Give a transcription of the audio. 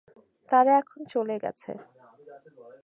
তারা এখন চলে গেছে।